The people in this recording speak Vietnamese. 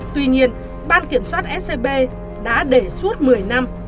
tuy nhiên ban kiểm soát scb đã đề suốt một mươi năm